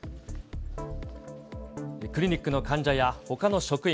クリニックの患者やほかの職員